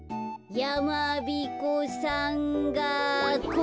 やまびこさんが。